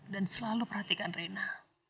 dan selalu perhatikan rena